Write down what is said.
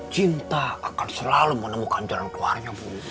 cinta akan selalu menemukan jalan keluarnya bu